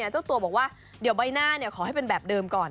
เจ้าตัวบอกว่าเดี๋ยวใบหน้าขอให้เป็นแบบเดิมก่อน